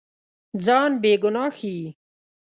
ځان بېګناه ښيي.